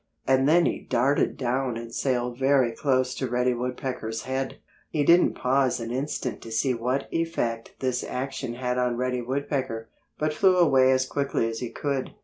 And then he darted down and sailed very close to Reddy Woodpecker's head. He didn't pause an instant to see what effect this action had on Reddy Woodpecker, but flew away as quickly as he could.